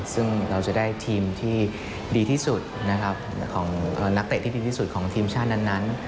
ซึ่งเราจะได้ทีมที่ดีที่สุดนะครับของนักเตะที่ดีที่สุดของทีมชาตินั้น